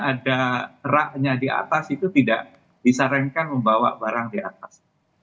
ada raknya di atas itu tidak disarankan membawa barang di atas